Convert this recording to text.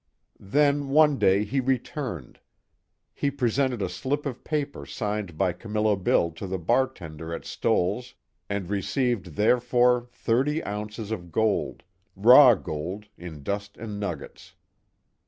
Then one day he returned. He presented a slip of paper signed by Camillo Bill to the bartender at Stoell's and received therefor thirty ounces of gold raw gold, in dust and nuggets.